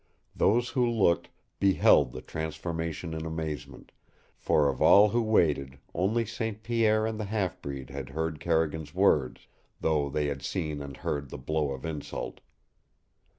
Those who looked beheld the transformation in amazement, for of all who waited only St. Pierre and the half breed had heard Carrigan's words, though they had seen and heard the blow of insult.